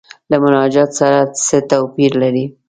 له مناجات سره څه توپیر لري.